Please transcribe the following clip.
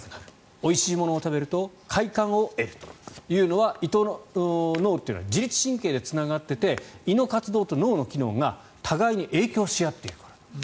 おいしいものを食べると快感を得るというのは胃と脳というのは自律神経でつながっていて胃の活動と脳の機能が互いに影響し合っている。